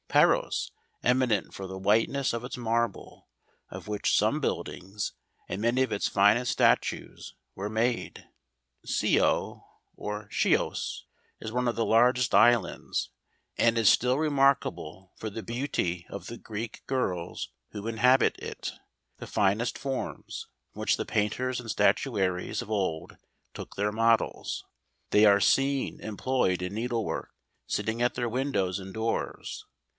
Paros, eminent for the whiteness of its marble, of which some buildings, and many of its finest statues, were made. 44 ARCHIPELAGO. Scio, or Chios, is one of the largest islands: and is still remarkable for the beamy of the Greek girls who inhabit it: the finest forms, from which the painters and statuaries of old took their models. They are seen employed in needle work, sitting at their windows and doors.